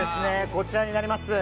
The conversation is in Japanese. こちらになります。